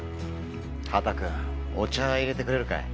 ハタ君お茶いれてくれるかい？